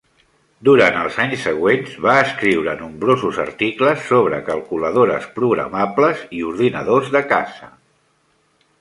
Durant els anys següents va escriure nombrosos articles sobre calculadores programables i ordinadors de casa.